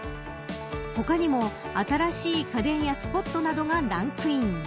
他にも新しい家電やスポットなどがランクイン。